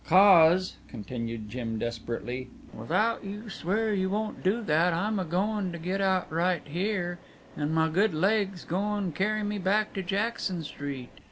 "'Cause," continued Jim desperately, "without you swear you won't do that I'm agoin' to get out right here an' my good legs goin' carry me back to Jackson street."